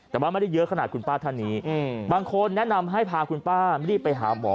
แต่ว่าไม่ได้เยอะขนาดคุณป้าท่านนี้บางคนแนะนำให้พาคุณป้ารีบไปหาหมอ